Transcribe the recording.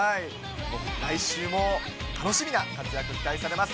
来週も楽しみな活躍、期待されます。